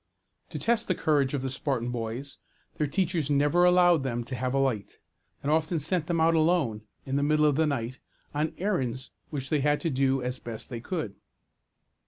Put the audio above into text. To test the courage of the Spartan boys, their teachers never allowed them to have a light, and often sent them out alone in the middle of the night, on errands which they had to do as best they could.